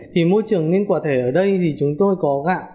thì môi trường nên quả thể ở đây thì chúng tôi có gạo